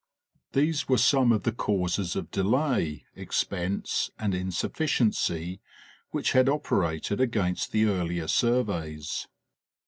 These were some of the causes of delay, expense and insufli ciency which had operated against the earlier surveys.